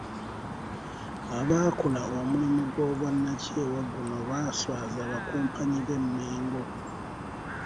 Abaakola omulimo gw’obwannakyewa guno baaswaaza abakumpanyi b'e Mengo.